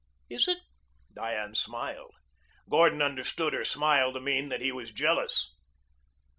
"Is it?" Diane smiled. Gordon understood her smile to mean that he was jealous.